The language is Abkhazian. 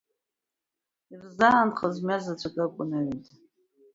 Ирзаанхаз мҩа-заҵәык акәын аҩада.